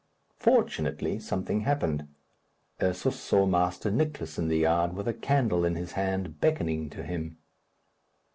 Fortunately, something happened. Ursus saw Master Nicless in the yard, with a candle in his hand, beckoning to him.